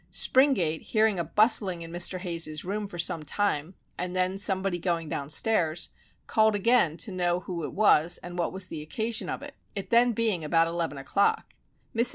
Springate, hearing a bustling in Mr. Hayes's room for some time, and then somebody going down stairs, called again to know who it was and what was the occasion of it (it being then about eleven o'clock). Mrs.